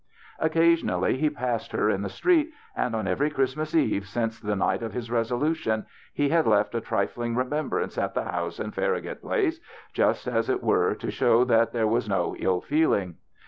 Occasionally he passed her in the street, and on every Christmas eve since the night of his resolution, he had left a trifling remembrance at the house in Far ragut Place, just, as it were, to show that there was no ill feeling.